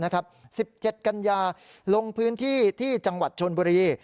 ๑๗กันยาลงพื้นที่ที่จังหวัดชนบุรี